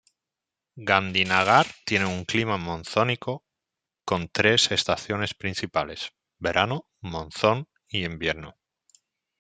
Gandhinagar tiene un clima monzónico, con tres estaciones principales, verano, monzón e invierno.